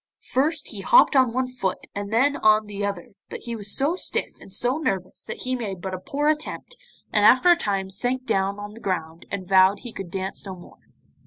First he hopped on one foot and then on the other, but he was so stiff and so nervous that he made but a poor attempt, and after a time sank down on the ground and vowed he could dance no more.